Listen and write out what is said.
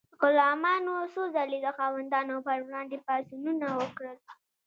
غلامانو څو ځلې د خاوندانو پر وړاندې پاڅونونه وکړل.